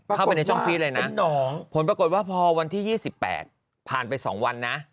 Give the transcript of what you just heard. เข้าไปในช่องฟีดเลยนะผลปรากฏว่าพอวันที่๒๘ผ่านไป๒วันนะ